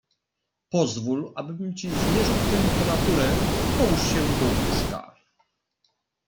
"Pozwól, abym ci zmierzył temperaturę i połóż się do łóżka."